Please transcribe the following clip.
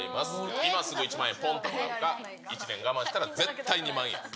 今すぐ１万円ぽんってもらうか、１年我慢したら絶対２万円。